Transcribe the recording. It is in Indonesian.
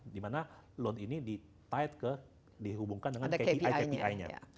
di mana loan ini di tied ke dihubungkan dengan kpi kpi nya